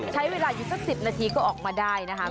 ใช้เวลาอยู่สัก๑๐นาทีก็ออกมาได้นะคะ